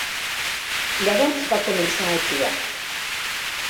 Llavors va començar a jugar.